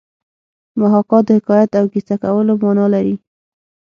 محاکات د حکایت او کیسه کولو مانا لري